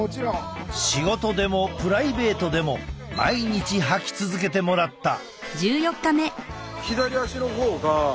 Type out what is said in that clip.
仕事でもプライベートでも毎日履き続けてもらった。